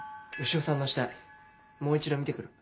潮さんの死体もう一度見て来る。